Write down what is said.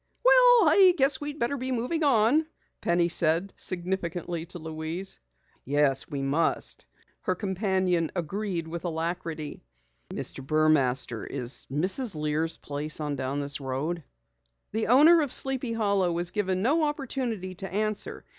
"Well, I guess we'd better be moving on," Penny said significantly to Louise. "Yes, we must," her companion agreed with alacrity. "Mr. Burmaster, is Mrs. Lear's place on down this road?" The owner of Sleepy Hollow was given no opportunity to answer.